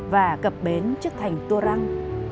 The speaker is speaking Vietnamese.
và cập bến trước thành turang